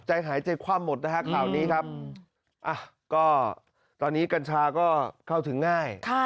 ใจหายใจคว่ำหมดนะฮะข่าวนี้ครับก็ตอนนี้กัญชาก็เข้าถึงง่าย